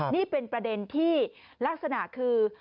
นี่เป็นประเด็นที่ลักษณะคือ